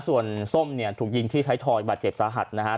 ส่วนส้มเนี่ยถูกยิงที่ไทยทอยบาดเจ็บสาหัสนะครับ